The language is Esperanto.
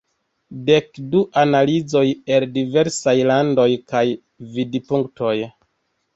Dek du analizoj el diversaj landoj kaj vidpunktoj".